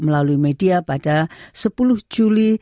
melalui media pada sepuluh juli